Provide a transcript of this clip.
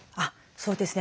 そうですね